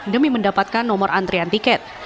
demi mendapatkan nomor antrian tiket